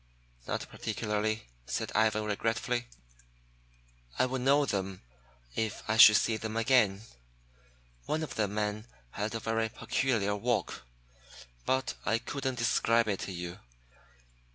"Not particularly," said Ivan regretfully. "I would know them if I should see them again. One of the men had a very peculiar walk, but I couldn't describe it to you.